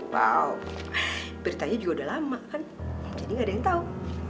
wow beritanya juga udah lama kan jadi gak ada yang tahu